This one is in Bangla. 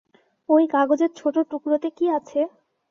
ওই কাগজের ছোট টুকরোতে কী আছে?